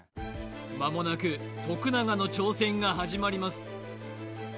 まもなく徳永の挑戦が始まります